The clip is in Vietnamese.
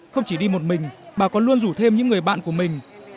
không chỉ đi một mình bà còn luôn rủ thêm những người bạn của mình